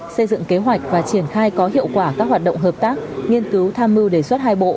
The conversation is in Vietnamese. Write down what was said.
xây dựng kế hoạch và triển khai có hiệu quả các hoạt động hợp tác nghiên cứu tham mưu đề xuất hai bộ